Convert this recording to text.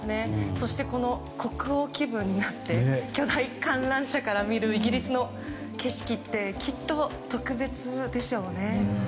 そして、国王気分になって巨大観覧車から見るイギリスの景色ってきっと特別でしょうね。